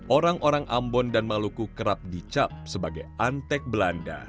orang orang ambon dan maluku kerap dicap sebagai antek belanda